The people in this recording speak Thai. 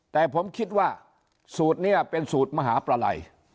แต่ผมคิดว่าสูตรนี้เป็นสูตรมหาประไล